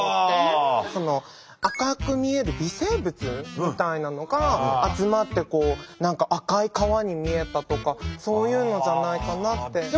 赤く見える微生物みたいなのが集まって赤い川に見えたとかそういうのじゃないかなって。